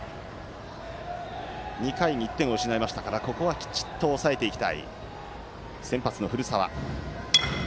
２回に１点を失いましたからここはきちっと抑えたい先発の古澤です。